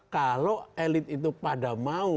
kalau elit itu pada mau